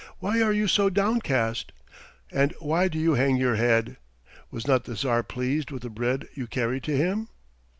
"Why are you so downcast, and why do you hang your head. Was not the Tsar pleased with the bread you carried to him?"